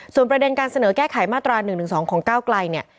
ส่วนประเด็นการเสนอแก้ไขมาตรา๑๑๒ของก้าวไกลเนี่ย